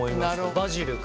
バジル君。